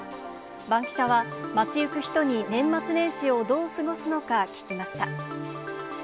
バンキシャは、街行く人に年末年始をどう過ごすのか聞きました。